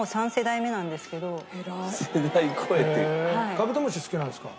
カブトムシ好きなんですか？